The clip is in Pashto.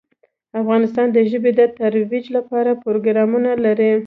افغانستان د ژبې د ترویج لپاره پروګرامونه لري.